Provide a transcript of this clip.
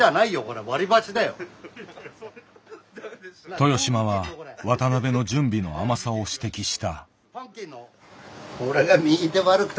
豊島は渡辺の準備の甘さを指摘した。